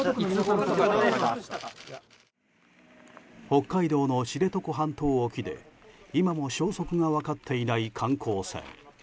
北海道の知床半島沖で今も消息が分かっていない観光船。